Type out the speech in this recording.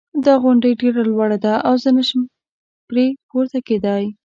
دا غونډی ډېره لوړه ده او زه نه شم پری پورته کېدای